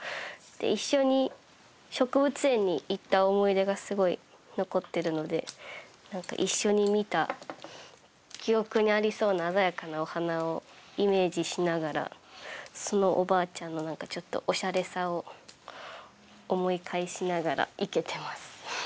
で一緒に植物園に行った思い出がすごい残ってるので何か一緒に見た記憶にありそうな鮮やかなお花をイメージしながらそのおばあちゃんの何かちょっとオシャレさを思い返しながら生けてます。